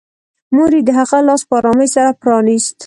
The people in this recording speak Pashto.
مور یې د هغه لاس په ارامۍ سره پرانيست